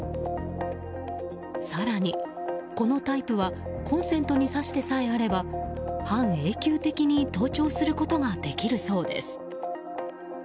更に、このタイプはコンセントに挿してさえあれば半永久的に盗聴することができるそうです。